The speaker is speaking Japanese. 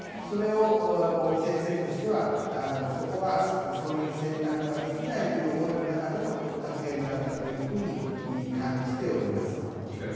それを尾身先生としてはそういう選択はできないという思いの中での発言だったというふうに感じております。